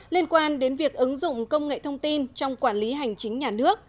liên quan đến việc ứng dụng công nghệ thông tin trong quản lý hành chính nhà nước